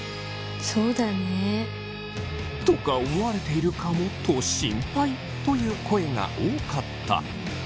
そうだね。とか思われているかもと心配という声が多かった。